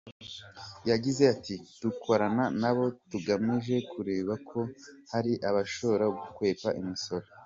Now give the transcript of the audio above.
Yagize ati: “Dukorana nabo tugamije kureba ko hari abashobora gukwepa imisoro.